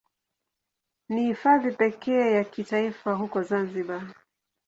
Ni Hifadhi pekee ya kitaifa huko Zanzibar.